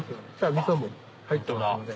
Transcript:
ミソも入ってますので。